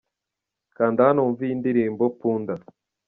Kanda hano wumve iyi ndirimbo 'Punda'.